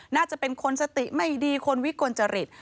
น่าจะเป็นคนสติไม่ดีคนวิกลจริต